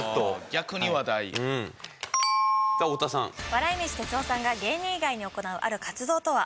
笑い飯哲夫さんが芸人以外に行うある活動とは？